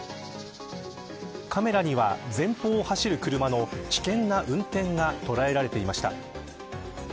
カメラには前方を走る車の危険な運転が捉えられていました。